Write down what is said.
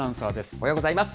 おはようございます。